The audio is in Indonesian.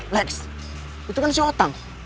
lex itu kan si otang